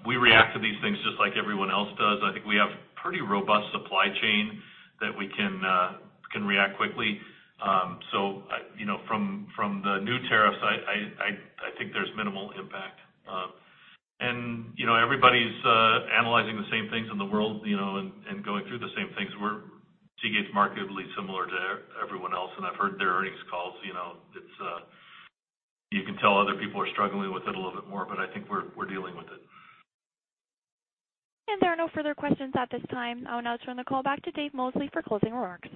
We react to these things just like everyone else does. I think we have pretty robust supply chain that we can react quickly. From the new tariffs, I think there's minimal impact. Everybody's analyzing the same things in the world, and going through the same things. Seagate's markedly similar to everyone else, and I've heard their earnings calls. You can tell other people are struggling with it a little bit more, but I think we're dealing with it. There are no further questions at this time. I'll now turn the call back to Dave Mosley for closing remarks.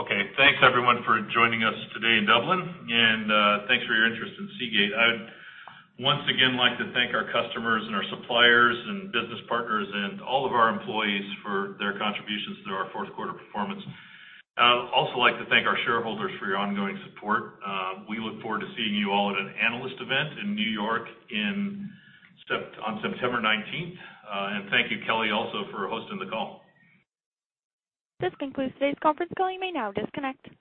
Okay. Thanks everyone for joining us today in Dublin, thanks for your interest in Seagate. I'd once again like to thank our customers and our suppliers and business partners and all of our employees for their contributions to our fourth quarter performance. I'd also like to thank our shareholders for your ongoing support. We look forward to seeing you all at an analyst event in New York on September 19th. Thank you, Kelly, also for hosting the call. This concludes today's conference call. You may now disconnect.